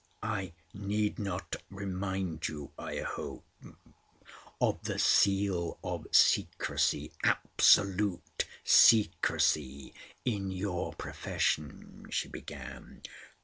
"I need not remind you, I hope, of the seal of secrecy—absolute secrecy—in your profession," she began.